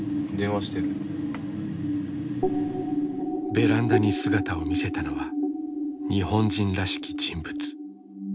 ベランダに姿を見せたのは日本人らしき人物。